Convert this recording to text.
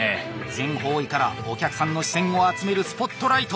全方位からお客さんの視線を集めるスポットライト！